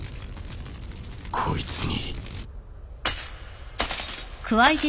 こいつに